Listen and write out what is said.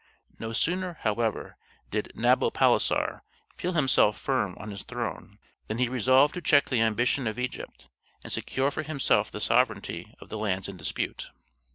No sooner, however, did Nabopolassar feel himself firm on his throne than he resolved to check the ambition of Egypt and secure for himself the sovereignty of the lands in dispute.